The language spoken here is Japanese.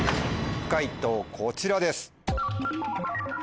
解答こちらです。